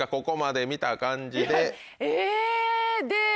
ここまで見た感じで。